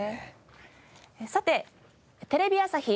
さてテレビ朝日